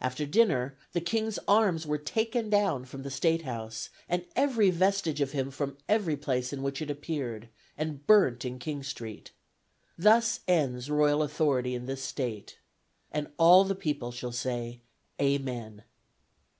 After dinner, the King's Arms were taken down from the State House, and every vestige of him from every place in which it appeared, and burnt in King Street. Thus ends royal authority in this State. And all the people shall say Amen."